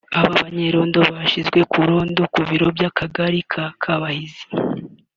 Aba banyerondo bashinzwe kurinda ku biro by’Akagari k’Akabahizi